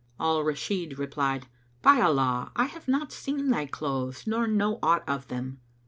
Al Rashid replied, "By Allah, I have not seen thy clothes nor know aught of them!"